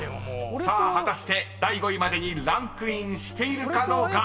［さあ果たして第５位までにランクインしているかどうか］